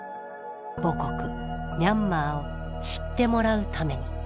母国ミャンマーを知ってもらうために。